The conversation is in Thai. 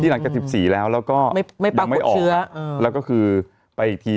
ที่หลังจากสิบสี่แล้วแล้วก็ไม่ปลั๊กผู้เชื้อแล้วก็คือไปอีกที